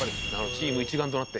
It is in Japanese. チーム一丸となって？